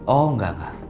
oh enggak enggak